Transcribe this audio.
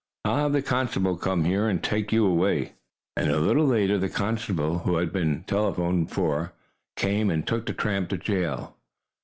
I'll have the constable come here and take you away." And a little later the constable, who had been telephoned for, came and took the tramp to jail.